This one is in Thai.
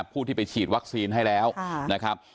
ผู้ที่ไปฉีดวัคซีนให้แล้วนะครับ